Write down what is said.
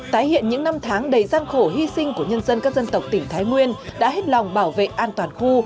tái hiện những năm tháng đầy gian khổ hy sinh của nhân dân các dân tộc tỉnh thái nguyên đã hết lòng bảo vệ an toàn khu